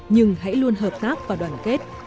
nhưng hãy luôn hợp tác và đoàn kết